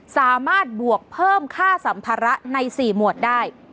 บวกเพิ่มค่าสัมภาระใน๔หมวดได้